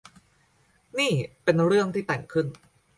นี่เป็นเรื่องที่แต่งขึ้น